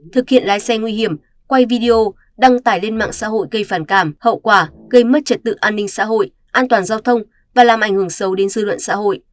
thực hiện lái xe nguy hiểm quay video đăng tải lên mạng xã hội gây phản cảm hậu quả gây mất trật tự an ninh xã hội an toàn giao thông và làm ảnh hưởng sâu đến dư luận xã hội